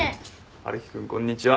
春樹君こんにちは。